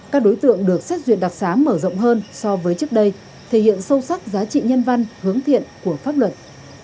các đối tượng được xét duyệt đặc xá mở rộng hơn so với trước đây thể hiện sâu sắc giá trị nhân văn hướng thiện của pháp luật